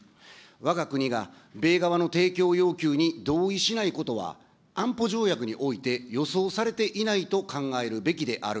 わが国が米側の提供要求に同意しないことは、安保条約において、予想されていないと考えるべきである。